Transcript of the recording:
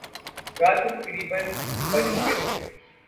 رات کے تقریبا بج چکے تھے